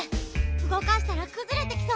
うごかしたらくずれてきそうよ。